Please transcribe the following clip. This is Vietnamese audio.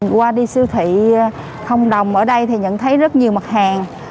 qua đi siêu thị không đồng ở đây thì nhận thấy rất nhiều mặt hàng